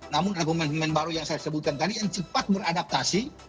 namun ada pemain pemain baru yang saya sebutkan tadi yang cepat beradaptasi